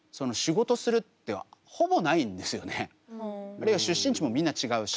あるいは出身地もみんな違うし。